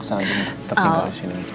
kau kayak pekar lanjut